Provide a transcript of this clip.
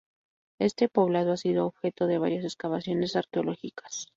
Este poblado ha sido objeto de varias excavaciones arqueológicas.